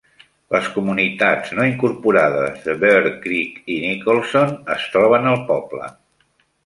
Les comunitats no incorporades de Bear Creek i Nicholson es troben al poble.